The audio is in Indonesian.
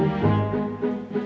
aduh kebentur lagi